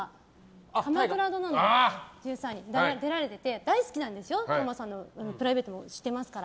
「鎌倉殿の１３人」に出てて大好きなんですよ、斗真さんのプライベートも知ってますから。